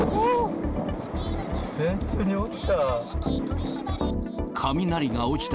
えー、下に落ちた。